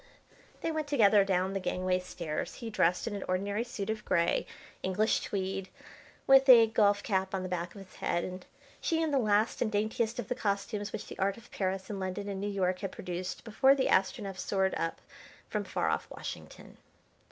They went together down the gangway stairs, he dressed in an ordinary suit of grey, English tweed, with a golf cap on the back of his head, and she in the last and daintiest of the costumes which the art of Paris and London and New York had produced before the Astronef soared up from far off Washington.